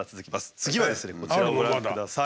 次はですねこちらをご覧ください。